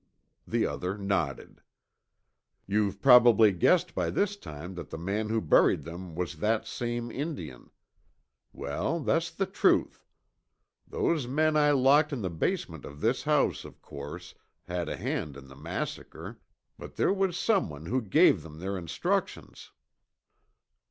The other nodded. "You've probably guessed by this time that the man who buried them was that same Indian. Well, that's the truth. Those men I locked in the basement of this house, of course, had a hand in the massacre, but there was someone who gave them their instructions."